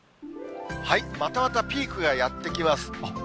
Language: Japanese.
またまたピークがやって来まえっ？